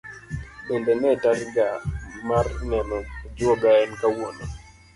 Bende ne tariga mar neno ajuoga en kawuono?